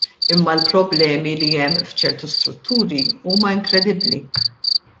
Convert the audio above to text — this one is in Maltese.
Imma l-problemi li hemm f'ċerti strutturi huma inkredibbli.